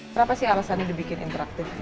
berapa sih alasannya dibikin interaktif